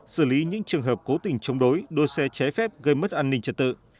xử lý những trường hợp cố tình chống đối đôi xe ché phép gây mất an ninh trật tự